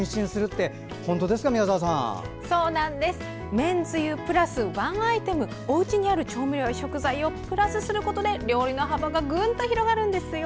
めんつゆプラスワンアイテムおうちにある食材や調味料を組み合わせると料理の幅がぐんと広がるんですよ。